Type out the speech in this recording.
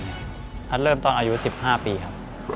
อันเริ่มต้นอายุ๑๕ปีครับ